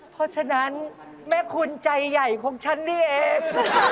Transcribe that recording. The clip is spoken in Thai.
เพราะฉะนั้นแม่คุณใจใหญ่ของฉันนี่เอง